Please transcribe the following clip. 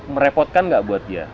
merepotkan nggak buat dia